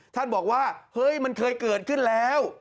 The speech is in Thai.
ท่านบอกว่าเฮ้ยมันเคยเกิดขึ้นแล้ว